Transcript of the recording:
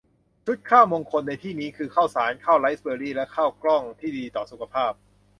ชุดข้าวมงคลในที่นี้คือ ข้าวสาร ข้าวไรซ์เบอร์รี และข้าวกล้อง ที่ดีต่อสุขภาพ